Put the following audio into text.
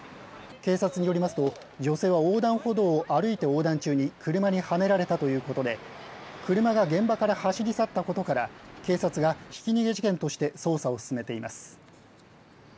警察によりますと、女性は横断歩道を歩いて横断中に車にはねられたということで、車が現場から走り去ったことから、警察がひき逃げ事件として捜査を進めています。